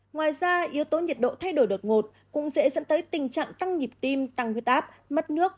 ngoài ra yếu tố nhiệt độ thay đổi đột ngột cũng dễ dẫn tới tình trạng tăng nhịp tim tăng huyết áp mất nước